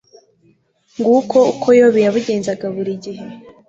nguko uko yobu yabigenzaga buri gihe